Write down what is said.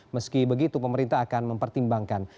meski begitu pemerintah akan mempertimbangkan